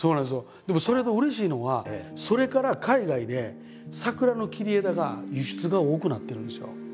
でもそれでうれしいのがそれから海外で桜の切り枝が輸出が多くなってるんですよ。